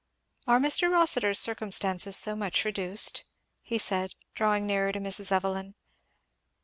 "Are Mr. Rossitur's circumstances so much reduced?" he said, drawing nearer to Mrs. Evelyn.